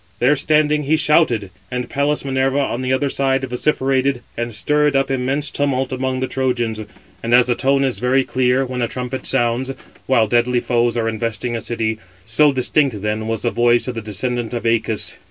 There standing, he shouted, and Pallas Minerva, on the other side, vociferated, and stirred up immense tumult among the Trojans. And as the tone is very clear, when a trumpet sounds, while deadly foes are investing a city; so distinct then was the voice of the descendant of Æacus.